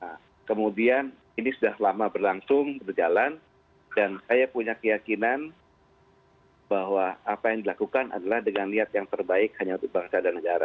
nah kemudian ini sudah lama berlangsung berjalan dan saya punya keyakinan bahwa apa yang dilakukan adalah dengan niat yang terbaik hanya untuk bangsa dan negara